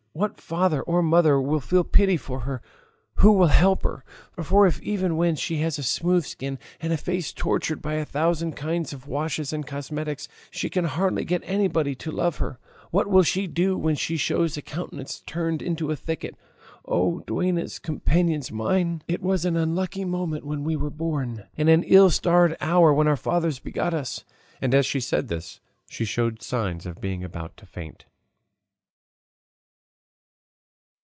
What father or mother will feel pity for her? Who will help her? For, if even when she has a smooth skin, and a face tortured by a thousand kinds of washes and cosmetics, she can hardly get anybody to love her, what will she do when she shows a countenance turned into a thicket? Oh duennas, companions mine! it was an unlucky moment when we were born and an ill starred hour when our fathers begot us!" And as she said this she showed signs of being about to faint.